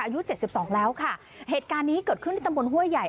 อายุเจ็ดสิบสองแล้วค่ะเหตุการณ์นี้เกิดขึ้นที่ตำบลห้วยใหญ่